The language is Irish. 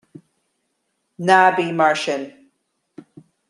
Ná bí mar sin.